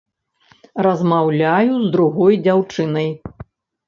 Размаўляю з другой дзяўчынай.